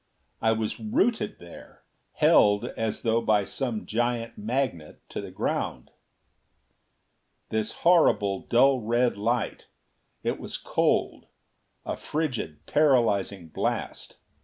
I was rooted there; held, as though by some giant magnet, to the ground! This horrible dull red light! It was cold a frigid, paralyzing blast.